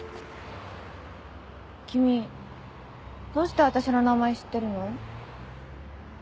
君どうして私の名前知ってるの？